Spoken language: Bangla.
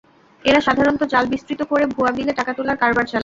এরা সাধারণত জাল বিস্তৃত করে ভুয়া বিলে টাকা তোলার কারবার চালায়।